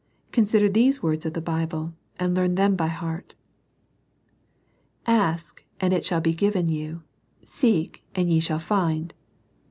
Consider these words of the Bible, and learn them by heart. 62 SERMONS FOR CHILDREN. "Ask, and it shall be given you : seek, and ye shall find."